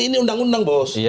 ini undang undang bos